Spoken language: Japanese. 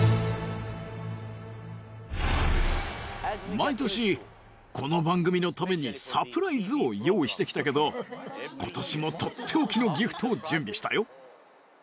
毎年この番組のためにサプライズを用意してきたけど今年もとっておきのギフトを準備したよ。